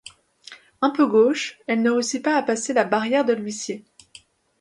Un peu gauche, elle ne réussit pas à passer la barrière de l'huissier.